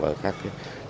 ở các trạm kiểm soát